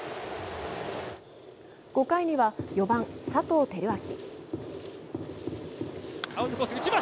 ５回には４番・佐藤輝明。